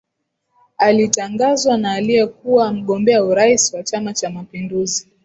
Alitangazwa na aliyekuwa mgombea urais wa chama cha mapinduzi